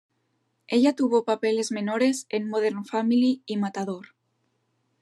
Ella tuvo papeles menores en "Modern Family" y "Matador".